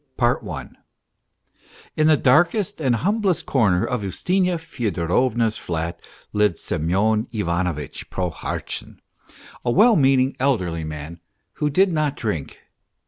PROHARTCHIN A STORY IN the darkest and humblest corner of Ustinya Fyodorovna's flat lived Semyon Ivanovitch Prohartchin, a well meaning elderly man, who did not drink.